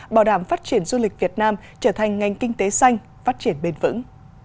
bảo đảm phát triển du lịch việt nam trở thành ngành kinh tế xanh phát triển bền vững